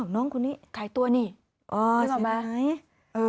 น้องคุณนี่ขายตัวนี่ขายออกมาใช่ไหม